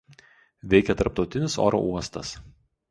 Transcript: Veikia tarptautinis oro uostas.